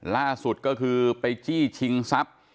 ล่าสุดก็คือไปจี้ชิงทรัพย์